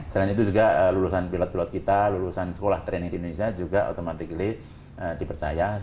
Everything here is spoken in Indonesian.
selain itu juga lulusan pilot pilot kita lulusan sekolah training indonesia juga otomatis dipercaya